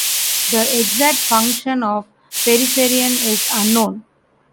The exact function of peripherin is unknown.